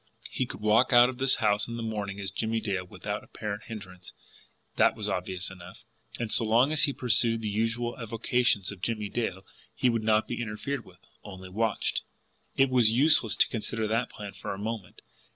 He could walk out of the house in the morning as Jimmie Dale without apparent hindrance that was obvious enough. And so long as he pursued the usual avocations of Jimmie Dale, he would not be interfered with only WATCHED. It was useless to consider that plan for a moment.